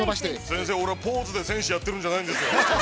◆先生俺は、ポーズで戦士をやっているんじゃないですよ。